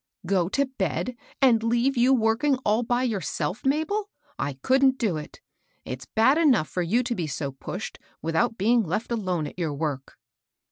" Go to bed and leave you working all by your self, Mabel ? I couldn't do it. It's bad enough for you to be so pushed, without being left alone at your work."